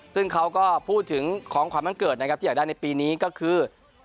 ซึ่งเขาก็พูดถึงของขวัญวันเกิดนะครับที่อยากได้ในปีนี้ก็คือ